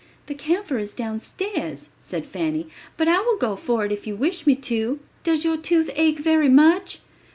"The camphor is downstairs," said Fanny, "but I will go for it if you wish me to. Does your tooth ache very much?"